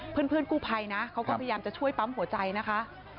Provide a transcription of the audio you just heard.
เพื่อนกู้ภัยนะเขาก็พยายามจะช่วยปั๊มหัวใจนะคะ